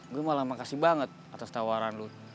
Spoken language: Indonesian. gue malah makasih banget atas tawaran lu